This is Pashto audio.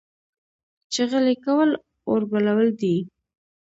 چغلي کول اور بلول دي